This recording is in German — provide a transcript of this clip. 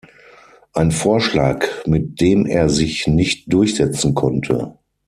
Ein Vorschlag, mit dem er sich nicht durchsetzen konnte.